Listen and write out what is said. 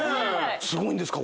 すごいんですか？